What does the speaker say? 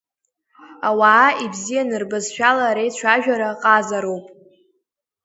Ауаа ибзиан рбызшәала реицәажәара, ҟазароуп.